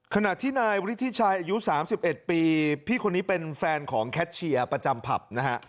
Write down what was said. ขณะที่นายวุฒิชัยอายุ๓๑ปีพี่คนนี้เป็นแฟนของแคทเชียร์ประจำผับนะฮะ